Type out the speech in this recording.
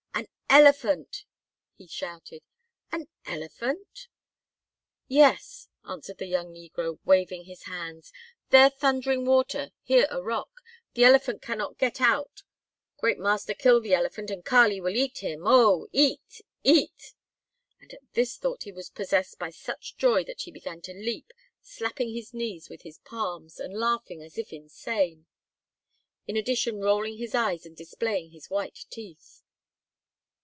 "An elephant!" he shouted. "An elephant?" "Yes," answered the young negro, waving his hands; "there thundering water, here a rock. The elephant cannot get out. Great master kill the elephant and Kali will eat him. Oh, eat, eat!" And at this thought he was possessed by such joy that he began to leap, slapping his knees with his palms and laughing as if insane, in addition rolling his eyes and displaying his white teeth.